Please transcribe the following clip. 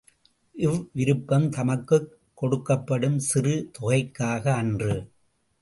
இவ்விருப்பம் தமக்குக் கொடுக்கப்படும் சிறு தொகைக்காக அன்று.